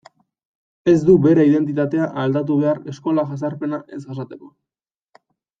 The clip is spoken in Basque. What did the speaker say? Ez du bere identitatea aldatu behar eskola jazarpena ez jasateko.